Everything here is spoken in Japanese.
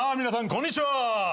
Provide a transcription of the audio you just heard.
こんにちは。